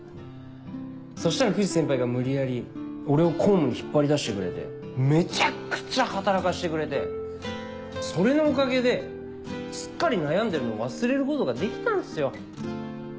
そしたら藤先輩が無理やり俺を公務に引っ張り出してくれてめちゃくちゃ働かしてくれてそれのおかげですっかり悩んでるのを忘れることができたんっすよ。